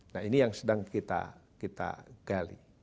nah ini yang sedang kita gali